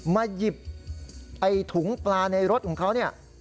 มาหยิบไอ้ถุงปลาในรถของเขาเนี่ย